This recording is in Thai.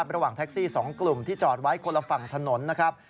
ระหว่างแท็กซี่๒กลุ่มที่จอดไว้คนละฝั่งถนนนะครับ